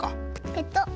ペトッ。